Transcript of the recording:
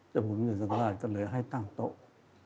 เจ้าคุณวัดไตรมิตรสังฆราชก็เลยให้ตั้งโต๊ะ